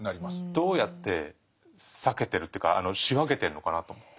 どうやって避けてるっていうか仕分けてるのかなと思って。